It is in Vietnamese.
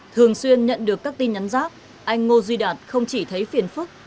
thường xuyên nhận được các tin nhắn rác anh ngô duy đạt không chỉ thấy phiền phức